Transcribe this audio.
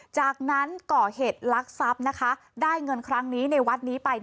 จากนั้นเกาะเหตุลักษณ์ซับได้เงินคลั่งนี้ในวัดนี้ไป